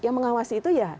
yang mengawasi itu ya